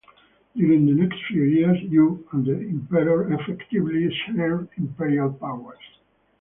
During the next few years, Huo and the emperor effectively shared imperial powers.